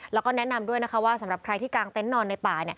แล้วก็แนะนำด้วยนะคะว่าสำหรับใครที่กางเต็นต์นอนในป่า